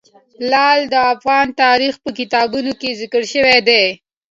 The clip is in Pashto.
لعل د افغان تاریخ په کتابونو کې ذکر شوی دي.